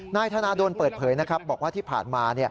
นายธนาดลเปิดเผยนะครับบอกว่าที่ผ่านมา